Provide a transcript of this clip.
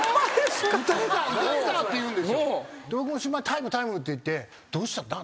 僕も審判に「タイムタイム」って言って「どうした？